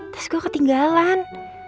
tas gue ketinggalan